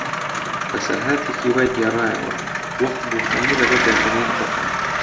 بەسەرهاتێکی وای گێڕایەوە، وەختبوو هەموو لەبەر پێکەنین بتەقن.